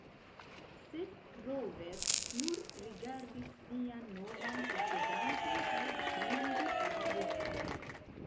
Sed Rover nur rigardis sian novan posedanton kaj svingis la voston.